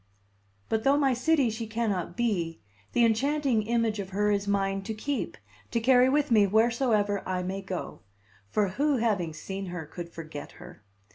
But though my city she cannot be, the enchanting image of her is mine to keep, to carry with me wheresoever I may go; for who, having seen her, could forget her?